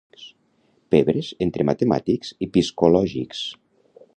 Pebres entre matemàtics i piscològics.